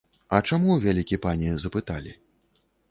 А чаму, вялікі пане, запыталі?